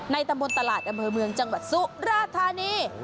ตำบลตลาดอำเภอเมืองจังหวัดสุราธานี